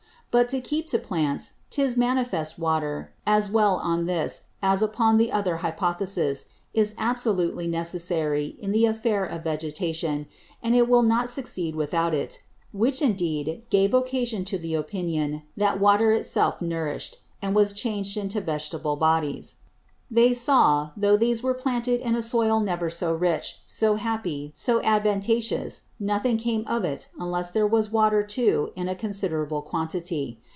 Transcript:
But to keep to Plants, 'tis manifest Water, as well on this, as upon the other Hypothesis, is absolutely necessary in the Affair of Vegetation; and it will not succeed without it: Which indeed gave occasion to the Opinion, that Water it self nourished, and was changed into Vegetable Bodies. They saw, though these were planted in a Soil never so rich, so happy, so advantageous, nothing came of it unless there was Water too in a considerable quantity.